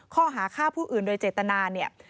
ข้อหาค่าผู้อื่นโดยเจตนา